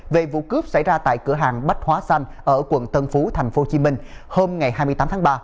về vụ cướp xảy ra tại cửa hàng bách hóa xanh ở quận tân phú tp hcm hôm hai mươi tám tháng ba